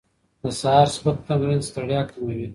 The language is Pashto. د سهار سپک تمرین ستړیا کموي.